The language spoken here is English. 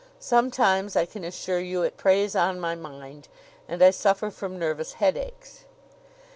Sometimes, I can assure you, it preys on my mind, and I suffer from nervous headaches."